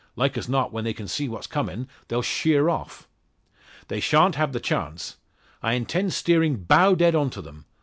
Like as not when they see what's comin' they'll sheer off." "They shan't have the chance. I intend steering bow dead on to them.